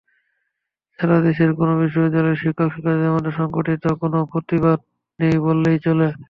সারা দেশের কোনো বিশ্ববিদ্যালয়ের শিক্ষক-শিক্ষার্থীদের মধ্যে সংগঠিত কোনো প্রতিবাদ নেই বললেই চলে।